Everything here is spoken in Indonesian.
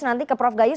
nanti ke prof gayus